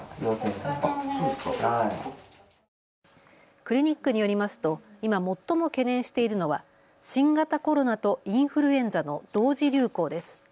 クリニックによりますと今、最も懸念しているのは新型コロナとインフルエンザの同時流行です。